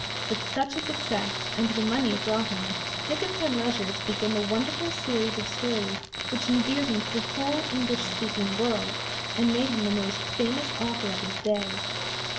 With such a success, and the money it brought him, Dickens had leisure to begin the wonderful series of stories which endeared him to the whole English speaking world, and made him the most famous author of his day.